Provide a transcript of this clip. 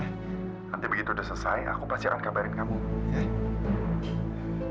nanti begitu udah selesai aku pacaran kabarin kamu ya